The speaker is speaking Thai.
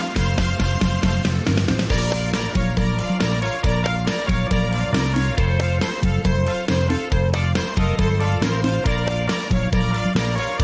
สวัสดีครับ